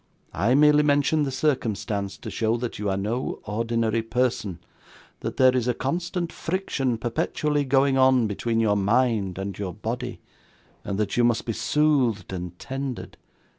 I merely mention the circumstance to show that you are no ordinary person, that there is a constant friction perpetually going on between your mind and your body; and that you must be soothed and tended.